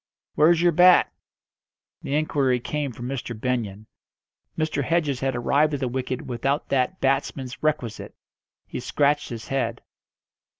"Where's your bat?" The inquiry came from Mr. Benyon. Mr. Hedges had arrived at the wicket without that batsman's requisite. He scratched his head.